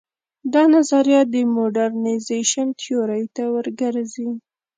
دا نظریه د موډرنیزېشن تیورۍ ته ور ګرځي.